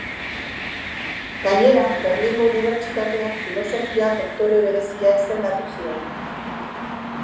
Gainera, Berlingo unibertsitateak filosofia doktore berezia izendatu zuen.